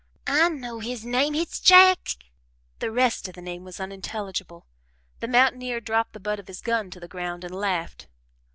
"I know his name, hit's Jack " the rest of the name was unintelligible. The mountaineer dropped the butt of his gun to the ground and laughed.